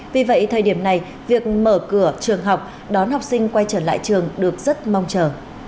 vì vậy thời điểm này việc mở cửa trường học đón học sinh quay trở lại trường được rất mong chờ